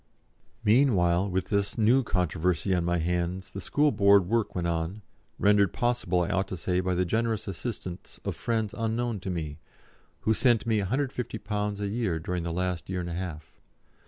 '" Meanwhile, with this new controversy on my hands, the School Board work went on, rendered possible, I ought to say, by the generous assistance of friends unknown to me, who sent me, £150 a year during the last year and a half.